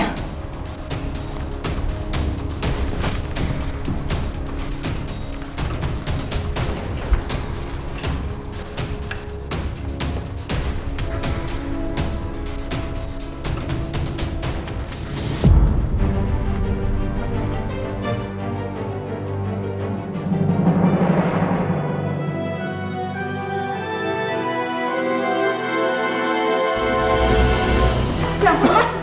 ya ampun mas